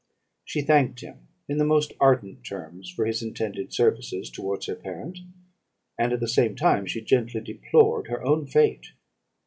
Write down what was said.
She thanked him in the most ardent terms for his intended services towards her parent; and at the same time she gently deplored her own fate.